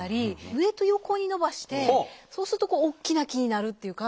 上と横に伸ばしてそうすると大きな木になるっていうか。